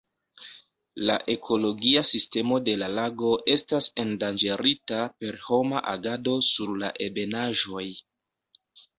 La ekologia sistemo de la lago estas endanĝerita per homa agado sur la ebenaĵoj.